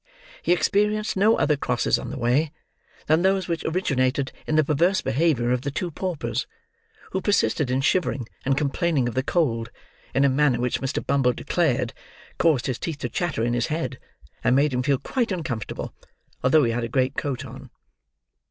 He experienced no other crosses on the way, than those which originated in the perverse behaviour of the two paupers, who persisted in shivering, and complaining of the cold, in a manner which, Mr. Bumble declared, caused his teeth to chatter in his head, and made him feel quite uncomfortable; although he had a great coat on.